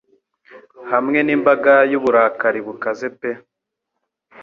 Hamwe nimbaga yuburakari bukaze pe